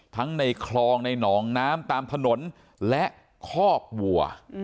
ในคลองในหนองน้ำตามถนนและคอกวัว